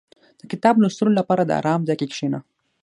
• د کتاب لوستلو لپاره آرام ځای کې کښېنه.